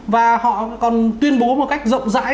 và họ còn tuyên bố một cách rộng rãi